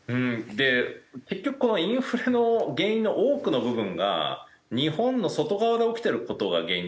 結局このインフレの原因の多くの部分が日本の外側で起きてる事が原因になってると思うんですよね。